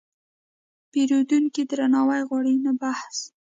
پیرودونکی درناوی غواړي، نه بحث.